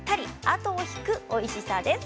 後を引くおいしさです。